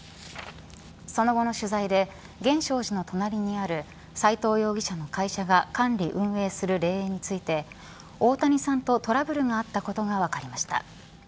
その後の取材で源証寺の隣にある斎藤容疑者の会社が管理運営する霊園について大谷さんとトラブルがあったことが分かりました。